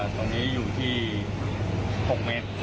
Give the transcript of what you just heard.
ตอนนี้อยู่ที่๖เมตร